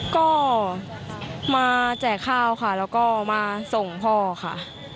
ก็มาแจกข้าวค่ะแล้วก็มาส่งพ่อค่ะ